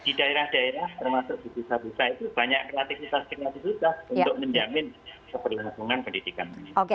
di daerah daerah termasuk di desa desa itu banyak kreativitas kreativitas untuk menjamin keberlangsungan pendidikan ini